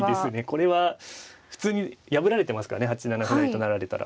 これは普通に破られてますからね８七歩成と成られたら。